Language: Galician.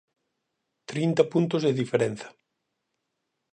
Trinta puntos de diferenza.